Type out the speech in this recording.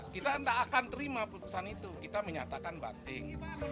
kita tidak akan terima putusan itu kita menyatakan banting